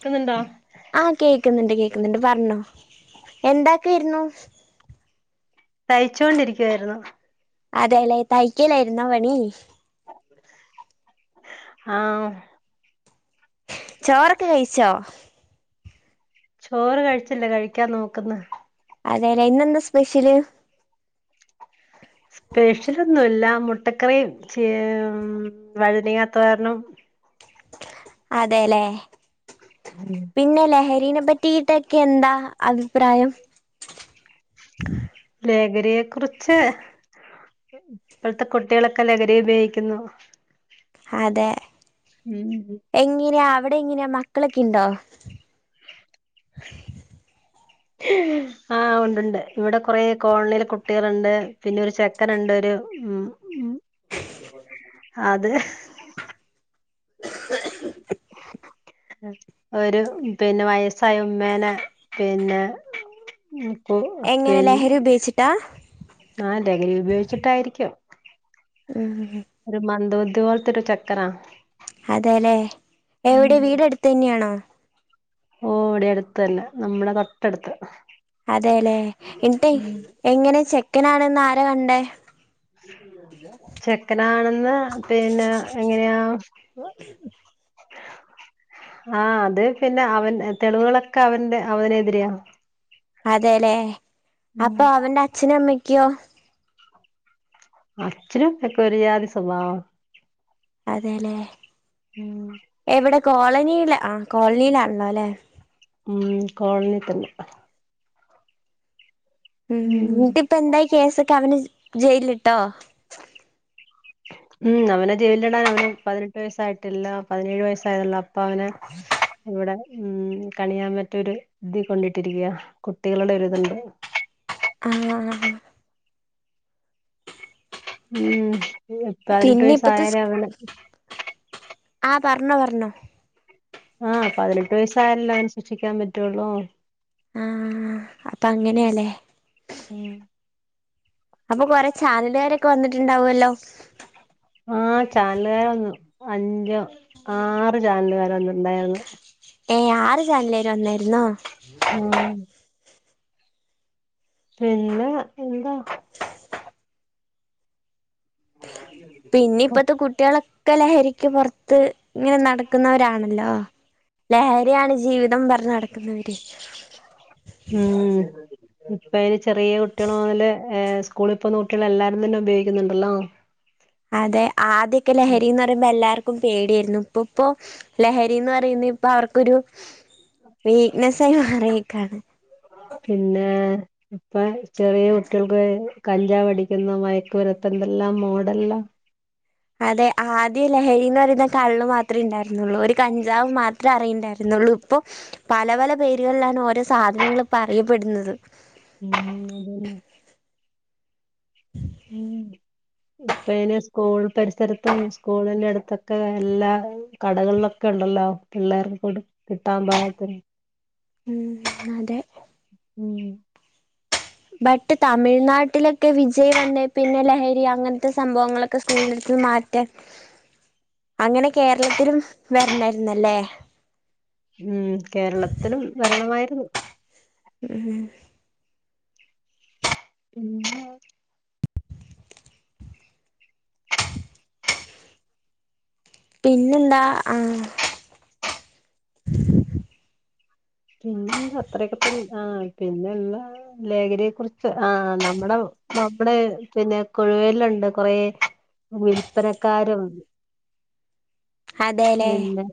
ക്കുന്നുണ്ടോ ആഹ് കേക്കുന്നുണ്ട് കേ ക്കുന്നുണ്ട് പറ്ഞ്ഞോ എന്താക്കായിരുന്നു തയ്ച്ചൊണ്ടിരിക്കുവായിരുന്നു അതെല്ലേ തയ്ക്കലായിരുന്നോ പണി ആഹ് ചോറൊക്കെ കഴിച്ചോ ചോറ് കഴിച്ചില്ല കഴിക്കാൻ നോക്കുന്ന് അതെല്ലേ ഇന്നെന്താ സ്പെഷ്യല് സ്പെഷ്യലൊന്നും ഇല്ല മുട്ടക്കറിയും ചേ വഴുതനങ്ങ തോരനും അതെല്ലേ പിന്നെ ലഹരി നെപറ്റീട്ട് ഒക്കെ എന്താ അഭിപ്രായം ലഹരിയെ കുറിച്ച് ഇപ്പോഴത്തെ കുട്ടികളൊക്കെ ലഹരി ഉപയോഗിക്കുന്നു അതെ ഉം എങ്ങനെയാ അവിടെ ഇങ്ങനെ മക്കളൊക്കെ ഇണ്ടോ ആഹ് ഉണ്ട്ണ്ട് ഇവിടെ കൊറേ കോളനിൽ കുട്ടികളുണ്ട് പിന്നെ ഒരു ചെക്കന ഉണ്ട് ഒരു ഉം അത് ഒരു പിന്നെ വയസായ ഉമ്മേന പിന്നെ പി എങ്ങനെ പിന്നെ ലഹരി ഉപയോഗിച്ചിട്ടാ ആ ലഹരി ഉപയോഗിച്ചിട്ടായിരിക്കും ഉം ഒരു മന്ദബുദ്ധി തുപോലത്തൊരു ചെക്കനാ അതെലെ എവിടെ വീടെടുത്തെന്നെയാണോ ഓ ഇവിടെ അടുത്തന്നെ നമ്മളെ തൊട്ടടുത്ത് അതലേ ന്നിട്ട് എങ്ങനെ ചെക്കനാണെന്ന് ആ രാ കണ്ടേ ചെക്കനാണെന്ന് പിന്നെ എങ്ങനെയാ ആ അത് പിന്നെ അവൻ തെളിവുകളൊക്കെ അവന്റെ അവനെതിരെ അതലെ അപ്പൊ അവന്റെ അച്ഛനും അമ്മക്ക് ക്കോ അച്ഛനും അമ്മയും ഒക്കെ ഒരു ജാതി സ്വഭാവ അതെല്ലേ എവ്ടെ കോളനീലാ ആ കോളനീലാ ഉള്ളൊല്ലേ മ് കോളനീതന്നെ ഉം എന്നിട്ട്പ്പ എന്തായ് കേസൊക്കെ അവന് ജയലില്ട്ടോ ഉം അവനെ ജയിലിടാൻ അവന് പതിനെട്ട് വയസ്സായിട്ടില്ല പതിനേഴ് വയസ്സായത്ള്ളു അ പ്പവനെ ഇവിടെ ഉം കണിയാമ്പ്റ്റോര് ദീ കൊണ്ടിട്ടിരിക്കയാ കുട്ടികള്ടെ ഒരിത്ണ്ട് ആ ആ മ് പതിനെട്ട് പിന്നെ ഇപ്പത്തെ വയസായാലേ അവന് ആ പറഞ്ഞോ പറഞ്ഞോ ആ പതിനെട്ട് വയസ്സായാലല്ലോ അവനെ ശിക്ഷിക്കാൻ പറ്റുള്ളൂ ആ അപ്പ അങ്ങനെയാല്ലേ മ് അപ്പൊ കൊറെ ചാനല്കാരൊക്കെ വന്നിട്ട്ണ്ടാവു ല്ലോ ആ ചാനലുകാര് വന്നു അഞ്ചോ ആറ് ചാനലുകാര് വന്നട്ട്ണ്ടായിര്ന്നു ഏ ആറ് ചനലേര് വന്നാര്ന്നോ [inaudible] ഉം പിന്നെ എന്താ പിന്നിപ്പത്തെ കുട്ട്യാളൊ ക്കെ ലഹരിക്ക് പൊറത്ത് ങ്ങനെ നടക്കുന്നവരാണല്ലോ ലഹരിയാണ് ജീവിതം പ ഞ്നട ഉം ഇപ്പയ്ന് ചെറിയ കുട്ട്യാള് മൊതല് ഏ സ്കൂളി പ്പോകുന്ന കുട്ട്യാള് എല്ലാരും തന്നെ ഉപയോഗിക്കുന്നുണ്ടല്ലോ അതെ ആദ്യക്കെ ലഹരിന്ന് പറയുമ്പോ എല്ലാർ ക്കും പേടിയായിരുന്നു ഇപ്പ് പ്പോ ലഹരിന്ന് പറയുന്നി പ്പാർക്കൊരു വീക്ക്നെസായി മാറീക്കാണ് പിന്നെ ഇപ്പൊ ചെറിയ കുട്ട്യൾക്ക് വരെ കഞ്ചാവടിക്കുന്ന മയക്കമര്ന്ന് പന്തെല്ലാം മോഡൽല്ലാ അതെ ആദ്യ ലഹരിന്ന് പറയുന്ന കള്ള് മാത്രേ ഇണ്ടായിരുന്നൊള്ളൂ ഒരു കഞ്ചാവ് മാത്രേ അറിയിണ്ടായിരുന്നുള്ളൂ ഇപ്പോ പല പല പേരുകളിലാണ് ഓരോ സാധനങ്ങൾ ഇപ്പ അറിയപ്പെടുന്നത് ത് ഉം അതന്നെ ഉം ഇപ്പയ്‌ന് സ്കൂൾ പരിസരത്തും സ്കൂളിന്റെ അടുത്തൊക്കെ എല്ലാ കടകളിലൊക്കെണ്ടല്ലോ പിള്ളേർക്ക് കൊട് കിട്ടാൻ പാകത്തിന് ഉം അതെ ഉം ബട്ട് തമിഴ്നാട്ടിലൊക്കെ വിജയ് വന്നേ പിന്നെ ലഹരി അങ്ങൻത്തെ സംഭവങ്ങളൊക്കെ സ്കൂളന്റെട്ത്ത്ന്ന് മാറ്റ അങ്ങനെ കേരളത്തിലും വരണായിരു ന്നല്ലേ ഉം കേരളത്തിലും വരണമായിരുന്നു ഉം പിന്നെ പിന്നെന്താ ആ പിന്നെ അത്രൊക്കെ തന്നെ ആ പിന്നെള്ള ലേഹരിയെ കുറിച്ച് ആ നമ്മടെ നമ്മുടെ പിന്നെ കുഴുവയല്ണ്ട് കുറെ വിൽപ്പനക്കാരും അതെല്ലെ പിന്നെ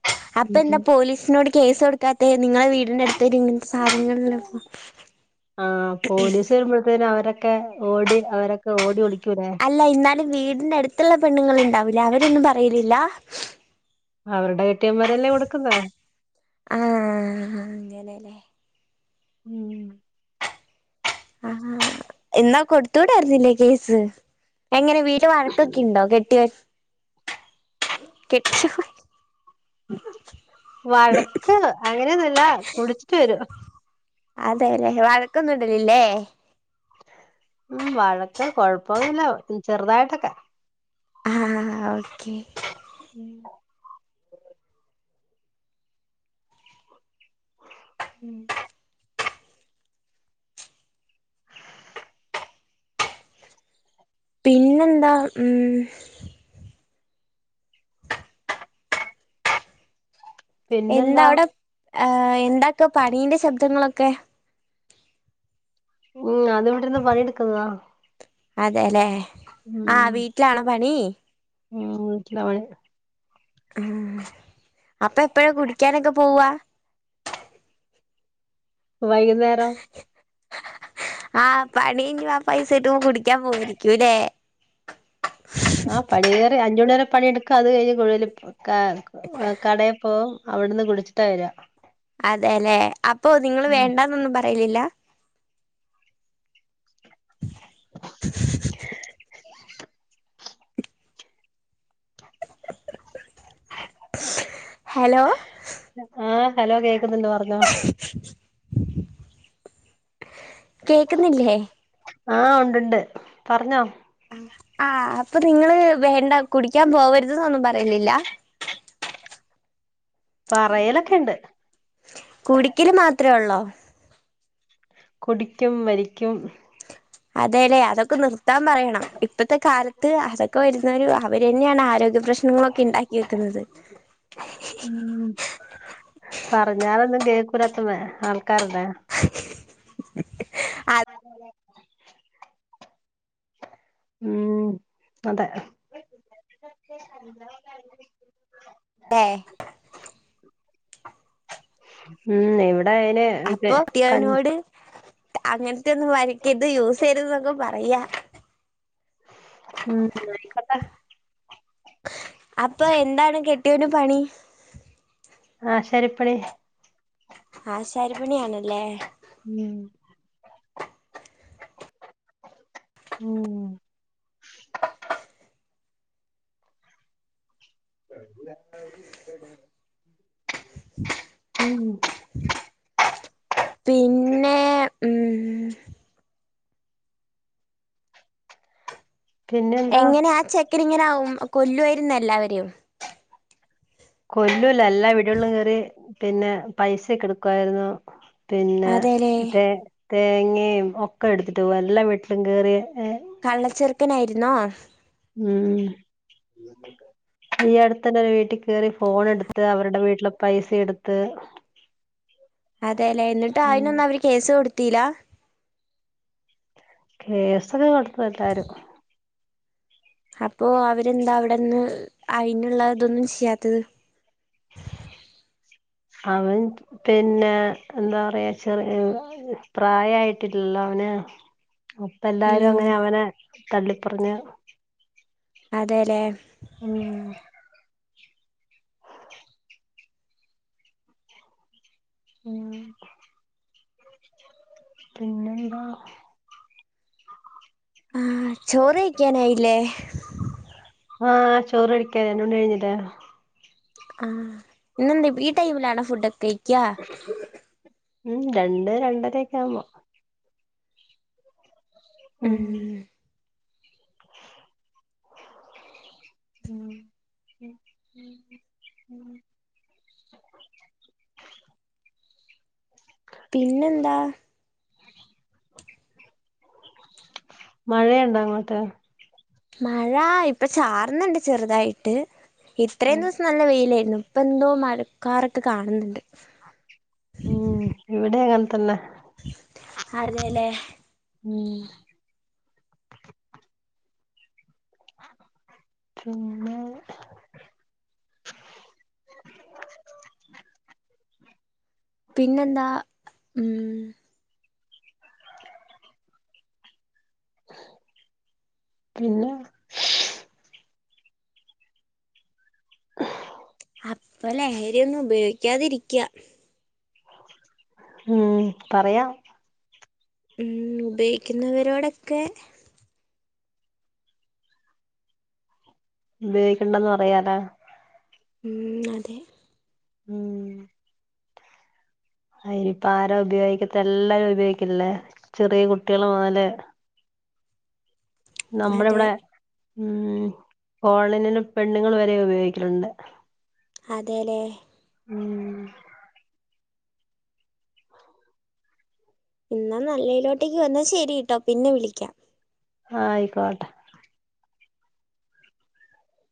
അപ്പൊ ന്താ ഉം പോലീസിനോട് കേസ് കൊടുക്കാത്തെ നിങ്ങളെ വീ ട്ടിൻ്റെ അടുത്തര് ഇങ്ങനത്തെ സാധനങ്ങളിലൊക്കെ ആ പോലീസ് വരുമ്പഴത്തേര് അവരൊ ക്കെ ഓടി അവരൊക്കെ ഓടി ഒളി അല്ല ഇന്നാലും വീടിന്റെ അട്ത്ത്ള്ള പെണ്ണ്ങ്ങളുണ്ടാവൂല്ല അവരൊന്നും പ റയലില്ല അവരുടെ കെട്ട്യോൻമാരല്ലേ കൊടുക്കുന്നെ ആഅങ്ങനെല്ലേ ഉം ആ എന്നാ കൊടുത്തൂടായിരുന്നില്ലേ കേസ് എങ്ങനെ വീട്ടില് വഴക്കൊക്കെ ണ്ടോ കെട്ട്യോ കെട്ടിയോൻ വഴക്ക് അങ്ങനെയൊന്നുമല്ല കുടിച്ചിട്ട് വരു അതെ അല്ലേ വ വഴക്കുന്നിടലിലെ ഉം വഴക്ക കൊഴപ്പൊന്നില്ല ചെറുതായിട്ടൊക്കെ ആ ഓക്കെ ഉം ഉം പിന്നെന്താ ഉം പിന്നെന്താ ഏ എന്താക്ക പണീന്റെ ശബ്ദങ്ങളൊക്കെ ഉം അത് ഇവിടെനിന്ന് പണിെടുക്കുന്നതാ അതെല്ലേ ആ വീട്ടിലാണോ പണി ഉം വീട്ടിലാണ് പണി ഉമ് അപ്പ എപ്പഴാ കുടിക്കാനെക്കെ പോവ്വാ വൈകുന്നേരം ആ പണീഞ്ഞ് ആ പൈസ കിട്ടുമ്പോ കുടിക്കാൻ പോവരിക്കൂല്ലേ പണിയെടുക്കുക അത് കഴിഞ്ഞ് കുഴി ക കടേ പോവും അവിടുന്ന് കുടിച്ചിട്ടാ വര്ക അതെല്ലേ അപ്പൊ നിങ്ങള് വേണ്ടാന്നൊന്നും പ യ്യിലില്ലാ [inaudible] ഹലോ ആ ഹലോ കേ ന്ന്ണ്ട് പറഞ്ഞോ കേക്ക്ന്നില്ലേ ആ ഉണ്ടുണ്ട് പറഞ്ഞോ ആ അപ്പ നിങ്ങള് വേണ്ട കുടിക്കാൻ പോവര്ത് ന്നൊന്നും പറയിലില്ലാ പറയലൊക്കെണ്ട് കുടിക്കല് മാത്രേ ഒള്ളോ കുടിക്കും വലിക്കും അതേല്ലെ അതൊക്കെ നിർത്താൻ പറയണം ഇപ്പത്തെ കാലത്ത് അതൊക്കെ വരുന്നോര് അവര് തന്നെയാണ് ആരോഗ്യപ്രശ് നിങ്ങളെക്കെ ഉണ്ടാക്കി വെക്കുന്നത് ഉം കേക്കുല്ലാത്ത ആൾക്കാരെ [unintelligible] കേൾക്കാറുണ്ട [unintelligible] [unintelligible] ഉമ് അതെ അതെ ഉമ് എവി ടയിന് പെ കഞ്ഞി അങ്ങനെത്തെ ഒന്നും വലിക്കര്ത് യൂ സെയ്യെര്തെന്നെക്കെ പറയാ ഉമ് എന്നായിക്കോട്ടെ അപ്പ എന്താണ് കെട്യോന് പണി ആശാരി പ്പണി. ആശാരിപ്പണി ആണല്ലേ. ഉം ഉം [unintelligible] ഉം പിന്നേ ഉം പിന്നെന്താ എങ്ങനാ ആ ചെക്കനിങ്ങനാവും കൊല്ലുവായിര്ന്നെല്ലാവരെയും കൊല്ലു എല്ലാ വീടല്ളും കേറി പിന്നെ പൈസക്കെടുക്കുവായിരുന്നു പിന്നെ അതേലേ തേ തേങ്ങയും ഒക്കെ എട്ത്തിട്ട് പോവും എല്ല വീട്ടിലും കേറി ഏ കള്ളച്ചെറുക്കനായിരി ണോ ഉം ഈ അടുത്തിടെ ഒരു വീട്ടി കേറി ഫോൺ എട്ത്ത് അവര്ടെ വീട്ട വീട്ട്ലെ പൈസ എട്ത്ത് അതെ ലേ എന്നിട്ട് അയ്നൊന്ന് അവര് കേസ് കൊടുത് ത്തിലാ കേസറി കൊടുത്തു വിട്ടാര്ന്ന്- അപ്പോ അവരെന്താ അവിടെന്ന്- അയ്നുള്ളതൊന്നും ചെയ്യാത്തത്- അവൻ പിന്നെ എന്താ പറയാ ചെറിയ പ്രായായിട്ടില്ലല്ലോ അവന്- അപ്പ എല്ലാരും ഉം അങ്ങനെ അവനെ- തള്ളിപ്പറഞ്ഞ്- അതെ ല്ലേ? ഉം ഉം പിന്നെന്താ? ആ ചോറ് കയിക്കാനായില്ലേ? ആഹ് ചോറയ്ക്കാനാ രണ്ട് മണി കഴിഞ്ഞ്ട്ടാ- ആഹ് - ഇന്നെന്താ ഈ ടൈമിലാണോ ഫുഡൊക്കെ കഴിക്കാ- ഉം രണ്ട് രണ്ടരക്കെ ആവ്മ്പോ- ഉം മ് [inaudible] പിന്നെന്താ മഴയൊണ്ടോ അങ്ങോട്ട്? മഴ ഇപ്പൊ ചാർന്ന്ണ്ട് ചെർതായിട്ട്- ഇത്രയും ദീസം നല്ല വെയിലായിരുന്നു. ഇപ്പ എന്തോ മഴക്കാറക്ക്- ത്ത് കാണ്ന്ന്ണ്ട് ഉം ഇവിടെ ക തന്നെ അതെ ല്ലേ ഉം പിന്നെ പിന്നെന്താ ഉം പിന്നെ അപ്പളേ അരി ഒന്നും ഉപയോഗിക്കാതിരിക്കാ ഉം പറയാം ഉം ഉപയോഗിക്കുന്നവരോടൊക്കെ ഉപയോഗിക്കണ്ടന്ന് പറയാലാ ഉം അതെ ഉം അയിനിപ്പ ആരാ ഉപയോഗിക്കത്ത എല്ലാരും ഉപയോഗിക്കില്ലേ ചെറിയ കുട്ടികള് മൊതല് അതെ നമ്മളിവിടെ ഉം കോളിനന് പെണ്ണുങ്ങള് വരെ ഉപയോഗിക്കലുണ്ട് അതേലേ ഉം എന്നാ നല്ലേലോട്ടേക്ക് ന്നാ ശരി കേട്ടോ പിന്നെ വിളിക്കാം ആയിക്കോട്ടെ